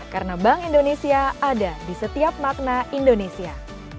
karena bank indonesia ada di setiap makna indonesia